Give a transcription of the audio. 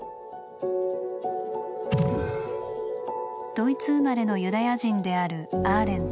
ドイツ生まれのユダヤ人であるアーレント。